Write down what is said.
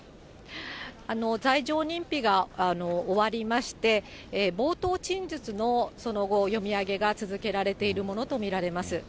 罪状認否が終わりまして、冒頭陳述のその後、読み上げが続けられているものと見られます。